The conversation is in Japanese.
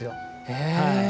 へえ。